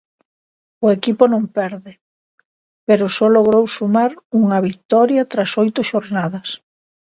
O equipo non perde, pero só logrou sumar unha vitoria tras oito xornadas.